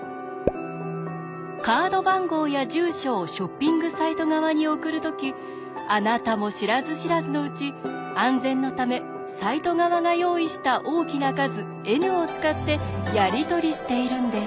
カード番号や住所をショッピングサイト側に送る時あなたも知らず知らずのうち安全のためサイト側が用意した大きな数Ｎを使ってやり取りしているんです。